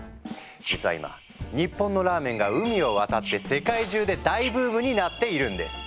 実は今日本のラーメンが海を渡って世界中で大ブームになっているんです。